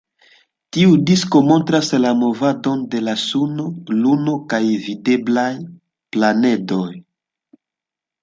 Tiu disko montras la movadon de la suno, luno kaj videblaj planedoj.